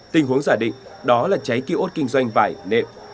tình huống giả định đó là cháy kiệu ốt kinh doanh vải nệm